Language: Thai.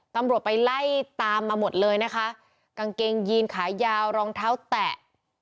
ตำรวจไปไล่ตามมาหมดเลยนะคะกางเกงยีนขายาวรองเท้าแตะ